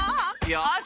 よし！